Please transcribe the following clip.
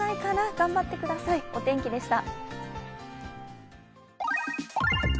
頑張ってください、お天気でした。